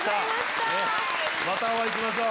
またお会いしましょう。